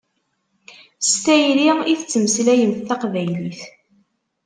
S tayri i tettmeslayemt taqbaylit.